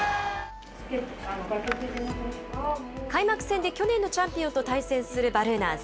開幕戦で去年のチャンピオンと対戦するバルーナーズ。